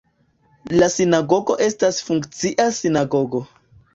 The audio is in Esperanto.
La sinagogo estas funkcia sinagogo.